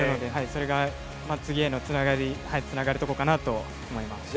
それが次へつながるところかなと思います。